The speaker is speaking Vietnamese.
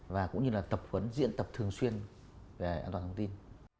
và cũng như là tập huấn diễn tập thường xuyên về an toàn thông tin